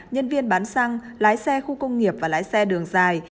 nhân viên bán xăng lái xe khu công nghiệp và lái xe đường dài